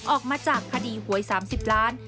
ออกมาจากคดีหวย๓๐ล้าน